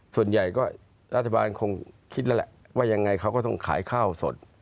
ส่วนใหญ่ก็รัฐบาลคงคิดแล้วแหละว่ายังไงเขาก็ต้องขายข้าวสด